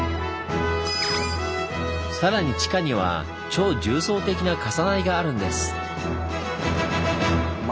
さらに地下には超重層的な重なりがあるんです。